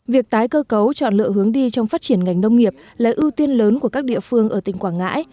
việc tái cơ cấu chọn lựa hướng đi trong phát triển ngành nông nghiệp là ưu tiên lớn của các địa phương ở tỉnh quảng ngãi